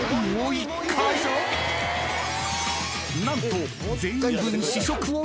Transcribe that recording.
［なんと］